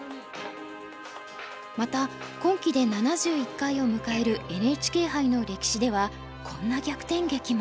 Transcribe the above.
また今期で７１回を迎えるＮＨＫ杯の歴史ではこんな逆転劇も。